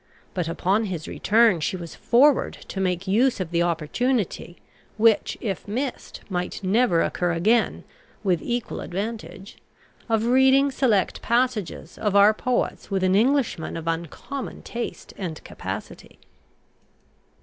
But upon his return she was forward to make use of the opportunity, which, if missed, might never occur again with equal advantage, of reading select passages of our poets with an Englishman of uncommon taste and capacity.